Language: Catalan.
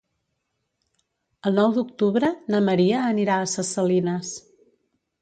El nou d'octubre na Maria anirà a Ses Salines.